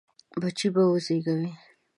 بچي به وزېږوي.